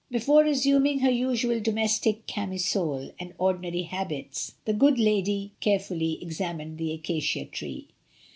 Before resuming her usual domestic camisole and ordinary habits, the good lady carefully ex amined the acacia tree.